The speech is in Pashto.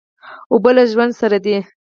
اوبه له ژوند سره دي.